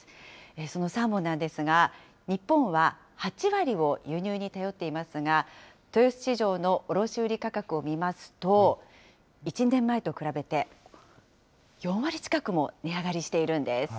そのサーモンなんですが、日本は８割を輸入に頼っていますが、豊洲市場の卸売り価格を見ますと、１年前と比べて、４割近くも値上がりしているんです。